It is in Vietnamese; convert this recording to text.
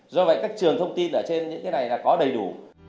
do vậy các trường thông tin ở trên những cái này là có đầy đủ